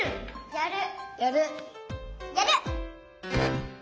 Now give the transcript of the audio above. やる！